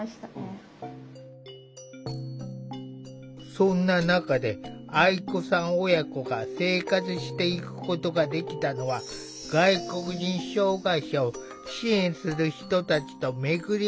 そんな中で愛子さん親子が生活していくことができたのは外国人障害者を支援する人たちと巡り会えたからだという。